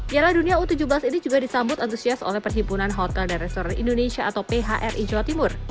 piala dunia u tujuh belas ini juga disambut antusias oleh perhimpunan hotel dan restoran indonesia atau phri jawa timur